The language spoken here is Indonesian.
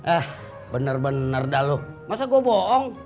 eh bener bener dah lu masa gua bohong